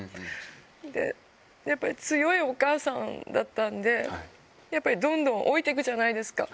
で、やっぱり強いお母さんだったんで、やっぱりどんどん老いてくじゃないですか。